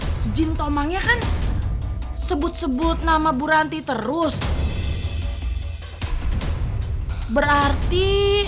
izin tomangnya kan sebut sebut nama bu ranti terus berarti